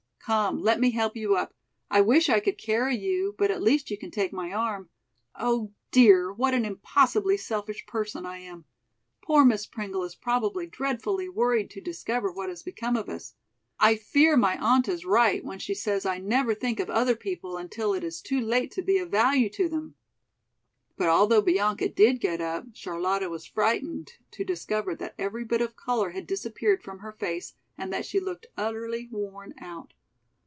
Come, let me help you up. I wish I could carry you, but at least you can take my arm. Oh dear, what an impossibly selfish person I am! Poor Miss Pringle is probably dreadfully worried to discover what has become of us. I fear my aunt is right when she says I never think of other people until it is too late to be of value to them." But although Bianca did get up, Charlotta was frightened to discover that every bit of color had disappeared from her face and that she looked utterly worn out.